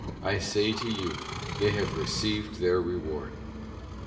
I say to you, they have received their reward.